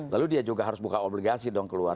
lalu dia juga harus buka obligasi dong keluar